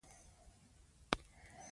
ښځې به ډوډۍ پخوله.